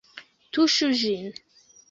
Tuŝu ĝin!